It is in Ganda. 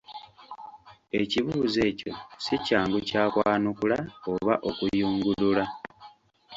Ekibuuzo ekyo si kyangu kya kwanukula oba okuyungulula.